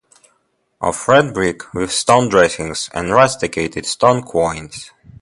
Of red brick with stone dressings and rusticated stone quoins.